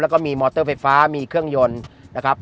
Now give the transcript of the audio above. แล้วก็มีมอเตอร์ไฟฟ้ามีเครื่องยนต์นะครับ